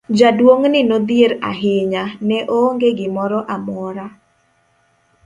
Jaduong' ni nodhier ahinya, ne oonge gimoro amora.